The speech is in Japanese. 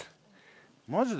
マジで？